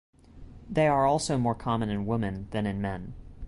They also are more common in women than in men.